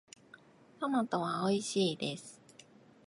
トマトはおいしいです。